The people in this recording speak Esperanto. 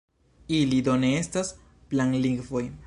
Ili do ne estas "planlingvoj".